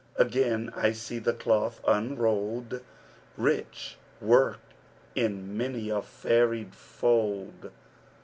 Again I see the cloth unrolled Rich worked in many a varied fold!